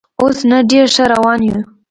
اوس نه، ډېر ښه روان یو.